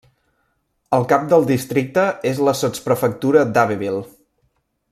El cap del districte és la sotsprefectura d'Abbeville.